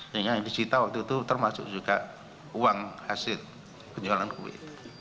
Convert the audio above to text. sehingga yang disita waktu itu termasuk juga uang hasil penjualan kue